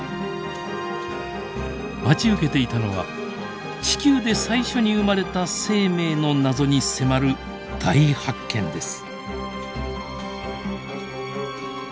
待ち受けていたのは地球で最初に生まれた生命の謎に迫る大発見です。